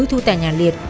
thu tài nhà liệt